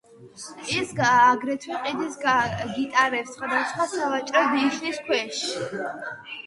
ის აგრეთვე ყიდის გიტარებს სხვადასხვა სავაჭრო ნიშნის ქვეშ.